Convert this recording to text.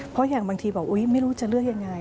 เพราะอย่างบางทีบอกอุ๊ยไม่รู้จะเลือกยังไง